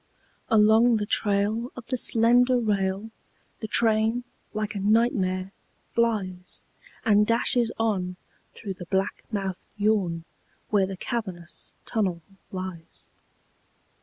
Along the trail Of the slender rail The train, like a nightmare, flies And dashes on Through the black mouthed yawn Where the cavernous tunnel lies.